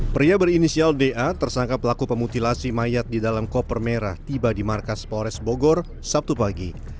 pria berinisial da tersangka pelaku pemutilasi mayat di dalam koper merah tiba di markas polres bogor sabtu pagi